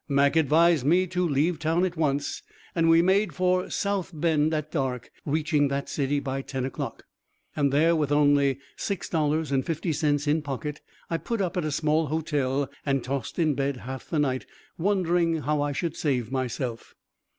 Mac advised me to leave town at once, and we made for South Bend at dark, reaching that city by ten o'clock. And there with only $6.50 in pocket, I put up at a small hotel and tossed in bed half the night, wondering how I should save myself.